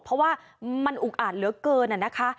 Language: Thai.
เพราะว่ามันอุกอาจเหลือเกินนะคะ